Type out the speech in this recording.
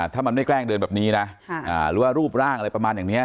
ถ้ามันไม่แกล้งเดินแบบนี้นะหรือว่ารูปร่างอะไรประมาณอย่างนี้